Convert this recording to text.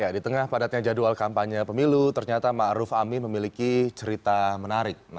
di tengah padatnya jadwal kampanye pemilu ternyata ma'ruf amin memiliki cerita menarik